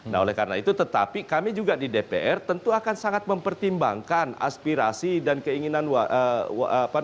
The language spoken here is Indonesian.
nah oleh karena itu tetapi kami juga di dpr tentu akan sangat mempertimbangkan aspirasi dan keinginan warga